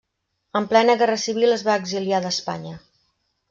En plena Guerra civil es va exiliar d'Espanya.